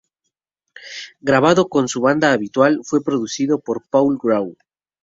Grabado con su banda habitual fue producido por Paul Grau.